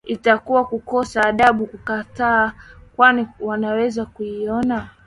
itakuwa kukosa adabu kuwakataa kwani wanaweza kuiona